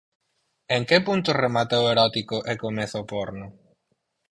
En que punto remata o erótico e comeza o porno?